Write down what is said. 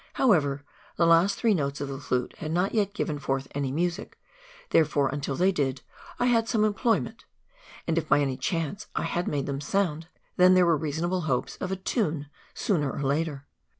However, the last three notes of the flute had not yet given forth any music, therefore, until they did, I had some employ ment ; and if by any chance I had made them sound, then there were reasonable hopes of a tune sooner or later.